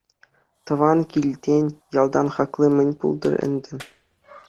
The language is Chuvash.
Тӑван килтен, ялтан хакли мӗн пултӑр ӗнтӗ.